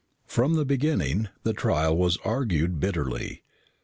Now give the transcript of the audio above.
From the beginning, the trial was argued bitterly.